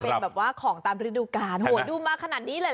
เป็นแบบว่าของตามริตุการณ์ดูมาขนาดนี้เลย